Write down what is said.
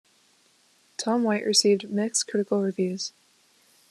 Tom White received mixed critical reviews.